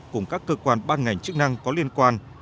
cùng các cơ quan ban ngành chức năng có liên quan